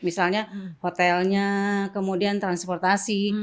misalnya hotelnya kemudian transportasi